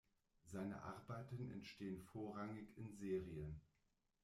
Seine Arbeiten entstehen vorrangig in Serien.